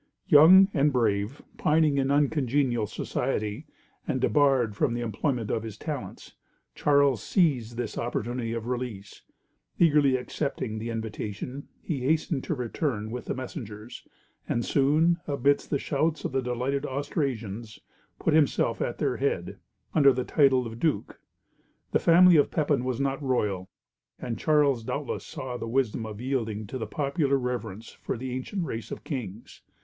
Young and brave, pining in uncongenial society, and debarred from the employment of his talents, Charles seized this opportunity of release. Eagerly accepting the invitation, he hastened to return with the messengers, and soon, amidst the shouts of the delighted Austrasians, put himself at their head, under the title of Duke. The family of Pepin was not royal, and Charles doubtless saw the wisdom of yielding to the popular reverence for the ancient race of kings.